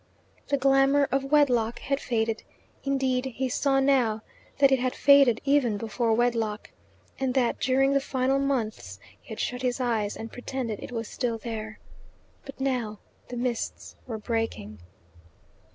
The glamour of wedlock had faded; indeed, he saw now that it had faded even before wedlock, and that during the final months he had shut his eyes and pretended it was still there. But now the mists were breaking.